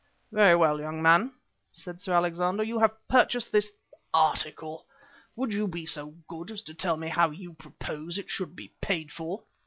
"Very well, young man," said Sir Alexander, "you have purchased this article. Will you be so good as to tell me how you propose it should be paid for."